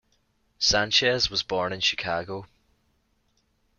Sanchez was born in Chicago.